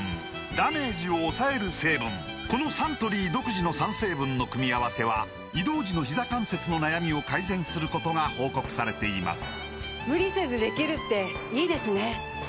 このサントリー独自の３成分の組み合わせは移動時のひざ関節の悩みを改善することが報告されています